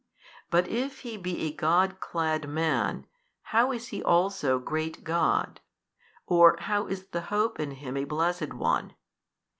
But if He be a God clad man, how is He also great God? or how is the hope in Him a blessed one?